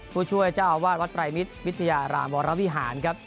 ผู้ช่วยเจ้าอาวาสวัดไตรมิตรวิทยารามวรวิหารครับ